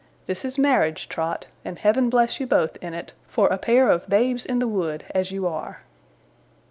This is marriage, Trot; and Heaven bless you both, in it, for a pair of babes in the wood as you are!